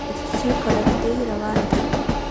چې ګړندی روان دی.